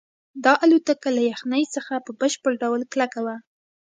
دا الوتکه له یخنۍ څخه په بشپړ ډول کلکه وه